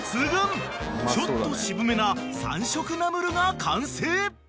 ［ちょっと渋めな３色ナムルが完成］